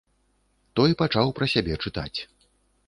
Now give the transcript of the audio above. Той пачаў пра сябе чытаць.